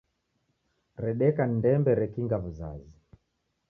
Redeka ni ndembe rekinga w'uzazi